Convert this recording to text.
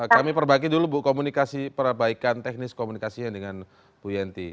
kami perbaiki dulu bu komunikasi perbaikan teknis komunikasinya dengan bu yenty